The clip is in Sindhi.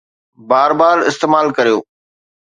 بار بار استعمال ڪريو